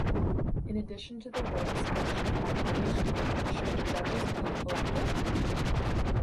In addition to the works mentioned he published Should Judges be Elected?